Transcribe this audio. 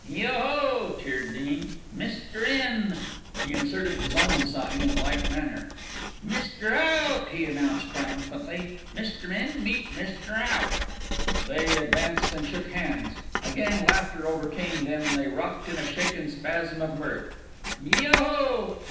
"Yoho!" cheered Dean. "Mister In." He inserted his own sign in like manner. "Mister Out!" he announced triumphantly. "Mr. In meet Mr. Out." They advanced and shook hands. Again laughter overcame them and they rocked in a shaken spasm of mirth. "Yoho!"